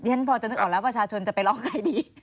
ย่นพอจะนึกออกแล้วว่าชาชนจะไปลองกันไงดี